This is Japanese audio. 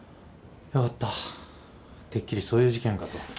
良かったてっきりそういう事件かと。